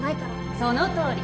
そのとおり！